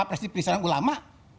wah pres yang dipilih ulama